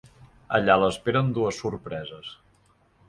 Allà l'esperen dues sorpreses.